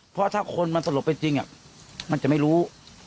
เพราะถ้าคนมันสลบไปจริงมันจะไม่รู้